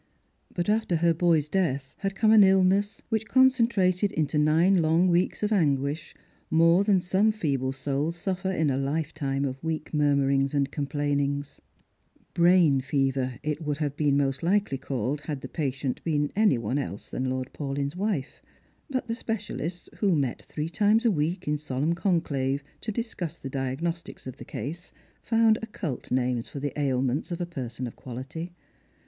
But after her boy's death had come an illness which concen trated into nine long weeks of anguish more than some_ feeble souls suffer in a lifetime of weak murmurings and complainings, rain fever, it would have been called most likely, had the patient been any one else than Lord Paulyn's wife ; but the specialists, who met three times a week in solemn conclave to discuss the diagnostics of the case, found occult names for the ailments of a person of quality.